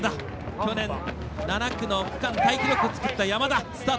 去年、７区の区間タイ記録を作った山田。